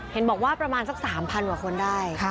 เห็นบอกว่าประมาณสัก๓๐๐กว่าคนได้